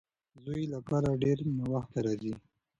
زوی یې له کاره ډېر ناوخته راځي.